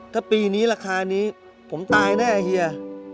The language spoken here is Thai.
ถ้าปีนี้ราคานี้ผมตายแน่เฮีย